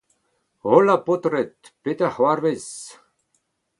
Hola ! paotred, petra ’c’hoarvez ?